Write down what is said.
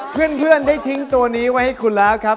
เพื่อนได้ทิ้งตัวนี้ไว้ให้คุณแล้วครับ